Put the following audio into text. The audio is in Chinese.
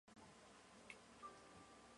随后他召开新闻发布会表示道歉。